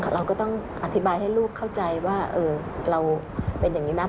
เราก็ต้องอธิบายให้ลูกเข้าใจว่าเราเป็นอย่างนี้นะ